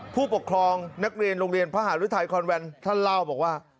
ผู้ปกครองนักเรียนโรงเรียนพระหารุทัยคอนแวนท่านเล่าบอกว่า